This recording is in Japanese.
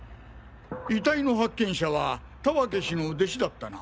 遺体の発見者は田分氏の弟子だったな？